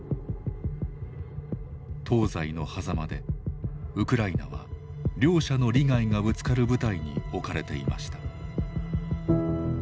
東西のはざまでウクライナは両者の利害がぶつかる舞台に置かれていました。